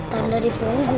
tanda di bunga